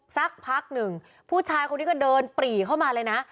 สักพักหนึ่งผู้ชายคนนี้ก็เดินปรีเข้ามาเลยนะ